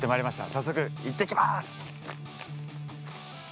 早速、行ってきます！